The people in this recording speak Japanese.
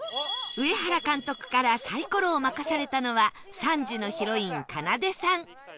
上原監督からサイコロを任されたのは３時のヒロインかなでさん